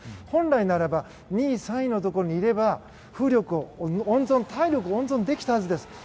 本来ならば２位、３位のところにいれば体力を温存できたはずです。